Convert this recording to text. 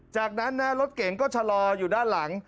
จากนั้นนะรถเก่งก็ชะลออยู่ด้านหลัง